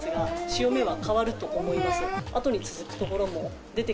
潮目は変わると思います。